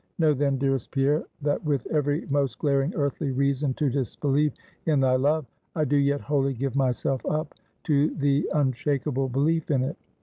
Know then, dearest Pierre, that with every most glaring earthly reason to disbelieve in thy love; I do yet wholly give myself up to the unshakable belief in it.